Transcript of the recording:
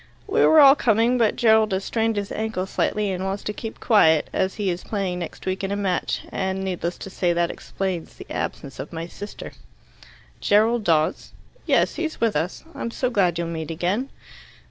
"We were all coming, but Gerald has strained his ankle slightly, and wants to keep quiet, as he is playing next week in a match. And, needless to say, that explains the absence of my sister." "Gerald Dawes?" "Yes; he's with us. I'm so glad you'll meet again."